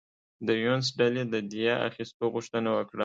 د یونس ډلې د دیه اخیستو غوښتنه وکړه.